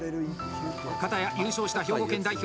片や優勝した兵庫県代表。